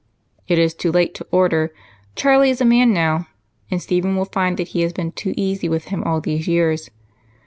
"It is too late to 'order' Charlie is a man now, and Stephen will find he has been too easy with him all these years.